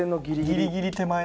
ギリギリ手前。